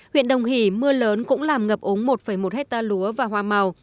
huyện đồng hỷ mưa lớn cũng làm ngập ống một một hectare lúa và hoa màu